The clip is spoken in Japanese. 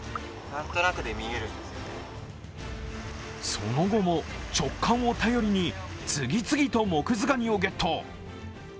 その後も直感を頼りに次々とモクズガニをゲット。